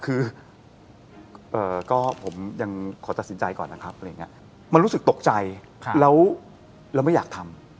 คือก็ผมยังขอตัดสินใจก่อนนะครับอะไรอย่างนี้มันรู้สึกตกใจแล้วเราไม่อยากทำ